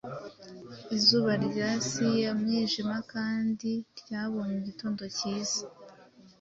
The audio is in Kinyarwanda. Izuba ryasize umwijima kandi ryabonye igitondo cyiza,